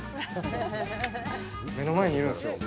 目の前にいるんですよ。